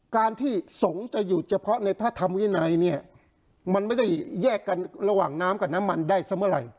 การที่สงฆ์จะอยู่เฉพาะในพระธรรมวินัยเนี่ยมันไม่ได้แยกกันระหว่างน้ำกับน้ำมันได้ซะเมื่อไหร่